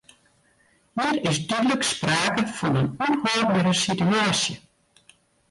Hjir is dúdlik sprake fan in ûnhâldbere situaasje.